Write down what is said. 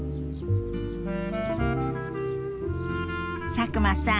佐久間さん